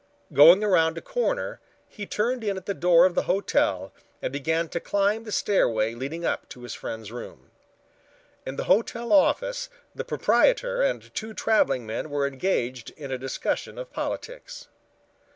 Going around a corner, he turned in at the door of the hotel and began to climb the stairway leading up to his friend's room. In the hotel office the proprietor and two traveling men were engaged in a discussion of politics.